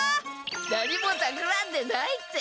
何もたくらんでないって。